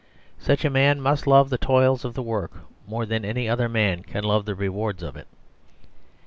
Such a man must love the toils of the work more than any other man can love the rewards of it.